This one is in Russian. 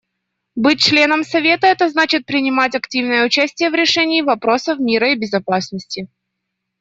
Быть членом Совета — это значит принимать активное участие в решении вопросов мира и безопасности.